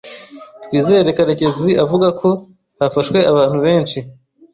Twizere Karekezi avuga ko hafashwe abantu benshi